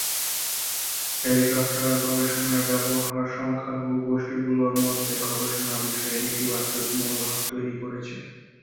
Helicopter গবেষণার ব্যবহার সংখ্যালঘু গোষ্ঠীগুলির মধ্যে গবেষণা বিষয়ে নেতিবাচক মনোভাব তৈরি করেছে।